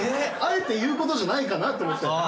あえて言うことじゃないかなと思って。